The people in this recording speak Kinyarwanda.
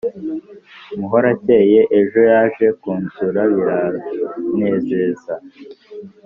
muhorakeye ejo yaje kusura bira nezezaza